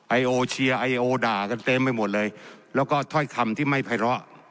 ไอโอเชียร์ไอโอด่ากันเต็มไปหมดเลยแล้วก็ถ้อยคำที่ไม่ไพร้อ